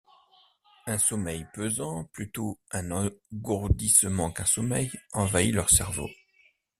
Un sommeil pesant, plutôt un engourdissement qu’un sommeil, envahit leur cerveau.